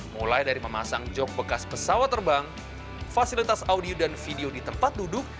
mulai dari memasang jok bekas pesawat terbang fasilitas audio dan video di tempat duduk